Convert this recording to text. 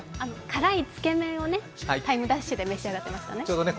辛いつけ麺を「ＴＩＭＥ’」で召し上がっていましたね。